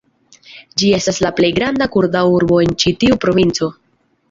Ĝi estas la plej granda kurda urbo en ĉi tiu provinco.